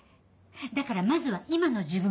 だからまずは今の自分が。